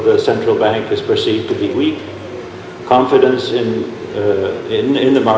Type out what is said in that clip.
bisa menyebabkan kepercayaan di bagian publik secara umum